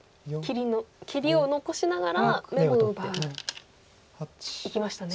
切りを残しながら眼を奪う。いきましたね。